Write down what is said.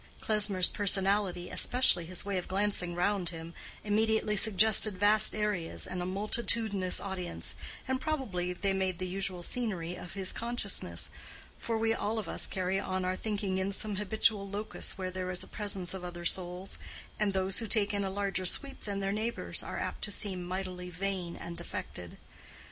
Klesmer's personality, especially his way of glancing round him, immediately suggested vast areas and a multitudinous audience, and probably they made the usual scenery of his consciousness, for we all of us carry on our thinking in some habitual locus where there is a presence of other souls, and those who take in a larger sweep than their neighbors are apt to seem mightily vain and affected.